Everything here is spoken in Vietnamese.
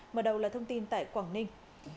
mở đầu là thông tin tại quảng ninh